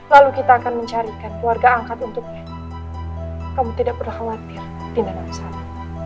lalu kita akan mencarikan keluarga angkat untuknya kamu tidak perlu khawatir di dalam sana